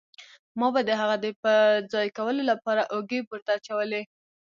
ما به د هغه د په ځای کولو له پاره اوږې پورته اچولې.